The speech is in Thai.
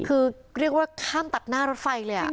คือเรียกว่าข้ามตัดหน้ารถไฟเลย